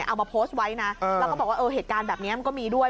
เอามาโพสต์ไว้นะแล้วก็บอกว่าเออเหตุการณ์แบบนี้มันก็มีด้วย